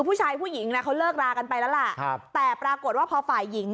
ผู้หญิงน่ะเขาเลิกรากันไปแล้วล่ะครับแต่ปรากฏว่าพอฝ่ายหญิง